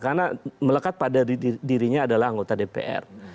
karena melekat pada dirinya adalah anggota dpr